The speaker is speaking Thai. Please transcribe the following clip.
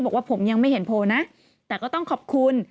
บอกว่าผมยังไม่เห็นโพลนะแต่ก็ต้องขอบคุณ